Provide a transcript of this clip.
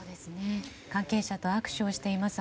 関係者と握手しています。